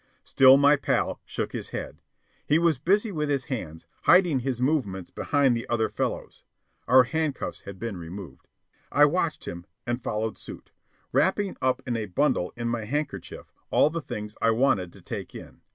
Still my pal shook his head. He was busy with his hands, hiding his movements behind the other fellows. (Our handcuffs had been removed.) I watched him, and followed suit, wrapping up in a bundle in my handkerchief all the things I wanted to take in.